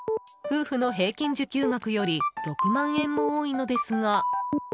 夫婦の平均受給額より６万円も多いのですが。